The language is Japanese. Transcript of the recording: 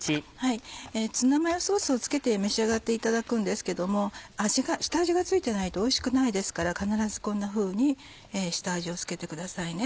ツナマヨソースを付けて召し上がっていただくんですけども下味が付いてないとおいしくないですから必ずこんなふうに下味を付けてくださいね。